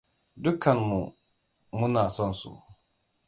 Dukkanmu muna son su.